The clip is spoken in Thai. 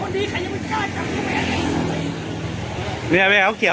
นี่มันมันเครื่องแล้วเนี่ย